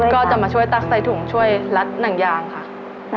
ก็จะมาช่วยตักใส่ถุงช่วยรัดหนังยางค่ะ